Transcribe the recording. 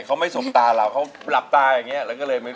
เขาไม่สบตาเราเขาหลับตาอย่างนี้